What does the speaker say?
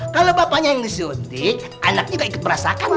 kalau bapaknya yang disuntik anaknya juga ikut merasakan